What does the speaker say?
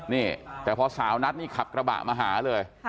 นี่แต่พอสาวนัทนี่ขับกระบะมาหาเลย